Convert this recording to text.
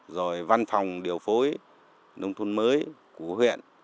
rồi văn phòng điều phối nông thôn mới của huyện